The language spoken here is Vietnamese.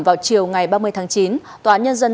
vào chiều ngày ba mươi tháng chín tòa án nhân dân